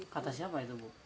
kata siapa itu bu